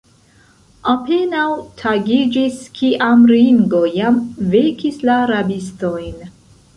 Apenaŭ tagiĝis, kiam Ringo jam vekis la rabistojn.